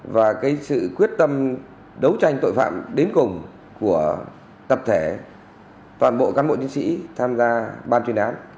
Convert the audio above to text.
và sự quyết tâm đấu tranh tội phạm đến cùng của tập thể toàn bộ cán bộ chiến sĩ tham gia ban chuyên án